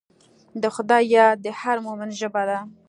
د خدای یاد د هر مؤمن ژبه ده.